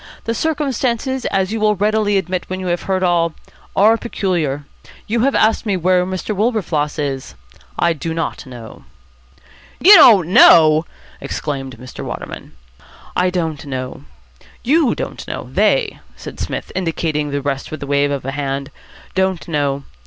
The circumstances, as you will readily admit when you have heard all, are peculiar. You have asked me where Mr. Wilberfloss is. I do not know." "You don't know!" exclaimed Mr. Waterman. "I don't know. You don't know. They," said Psmith, indicating the rest with a wave of the hand, "don't know.